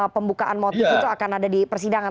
pembukaan motif itu akan ada di persidangan